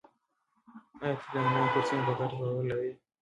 آیا ته د انلاین کورسونو په ګټه باور لرې؟